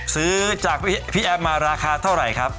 ซื้อจากพิแอมบ์มาราคาเท่าไรครับ